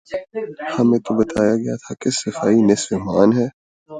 ہمیں تو بتایا گیا تھا کہ صفائی نصف ایمان ہے۔